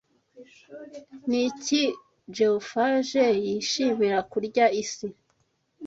Niki geofage yishimira Kurya isi